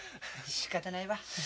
しかたないわ。